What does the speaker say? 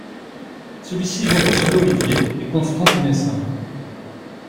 Celui-ci vient pour sauver Olivier, et confronte Nessa.